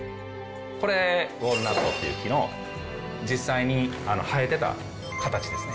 これウォールナットっていう木の実際に生えてた形ですね。